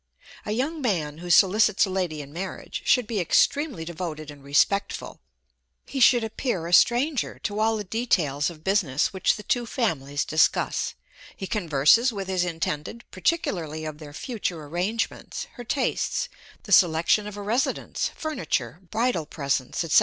A young man who solicits a lady in marriage, should be extremely devoted and respectful; he should appear a stranger to all the details of business which the two families discuss; he converses with his intended particularly of their future arrangements, her tastes, the selection of a residence, furniture, bridal presents, &c.